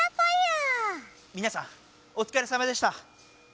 みなさんおつかれさまでした。